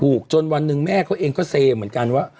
จนวันหนึ่งแม่เขาเองก็เซเหมือนกันว่า